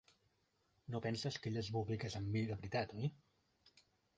No penses que ella es vulgui casar amb mi de veritat, oi?